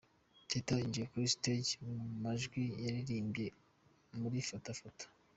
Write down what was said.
Teta yinjiye kuri Stage mu majwi yaririmbye muri Fata fata.